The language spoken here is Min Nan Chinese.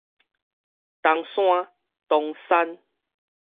東山